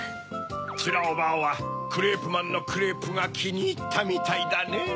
ちゅらおばあはクレープマンのクレープがきにいったみたいだねぇ。